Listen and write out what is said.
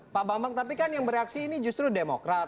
pak bambang tapi kan yang bereaksi ini justru demokrat